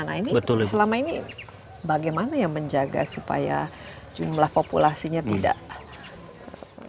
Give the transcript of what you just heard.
nah ini selama ini bagaimana ya menjaga supaya jumlah populasinya tidak